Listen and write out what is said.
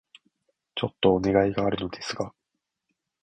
ちょっとお願いがあるのですが...